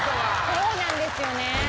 そうなんですよね。